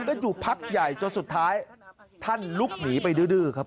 ท่านอาจารย์อาจารย์ของท่านเองหรือเปล่า